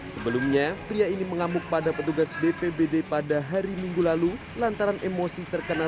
sebelumnya pria ini mengamuk pada petugas bpbd pada hari minggu lalu lantaran emosi terkena